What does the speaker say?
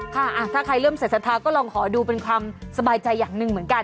ค่ะถ้าใครเริ่มใส่สัทธาก็ลองขอดูเป็นความสบายใจอย่างหนึ่งเหมือนกัน